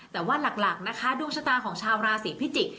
แต่ว่าหลักนะคะดวงชะตาของชาวราศีพิจิกษ